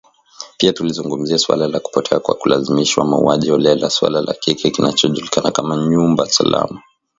Pia tulizungumzia suala la kupotea kwa kulazimishwa, mauaji holela, suala la kile kinachojulikana kama “nyumba salama".